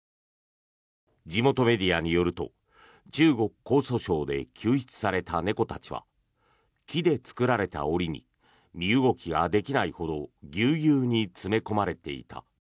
地元メディアによると中国・江蘇省で救出された猫たちは木で作られた檻に身動きができないほどぎゅうぎゅうに詰め込まれていた。